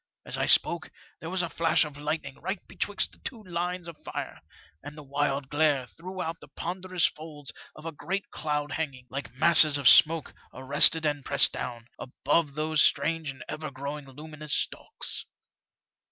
As I spoke, there was a flash of lightning right betwixt the two fine lines of fire, and the wild glare threw out the ponderous folds of a great cloud hanging, like masses of smoke arrested and pressed down, above those strange and ever growing luminous stalks.